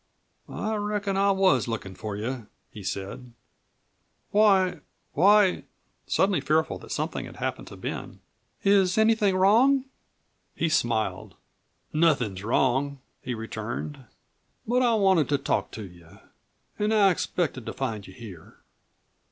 "I reckon I was lookin' for you," he said. "Why why," she returned, suddenly fearful that something had happened to Ben "is anything wrong?" He smiled. "Nothin' is wrong," he returned. "But I wanted to talk to you, an' I expected to find you here."